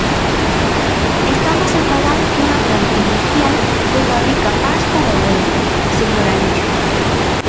Estamos a falar dunha planta industrial que fabrica pas para o eólico, señor Alixo.